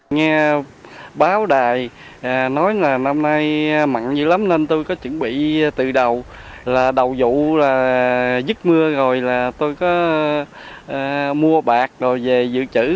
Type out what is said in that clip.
nghe báo đài nói là năm nay mặn nhiều lắm nên tôi có chuẩn bị từ đầu là đầu dụ là dứt mưa rồi là tôi có mua bạc rồi về dự trữ